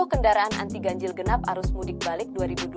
satu kendaraan anti ganjil genap arus mudik balik dua ribu dua puluh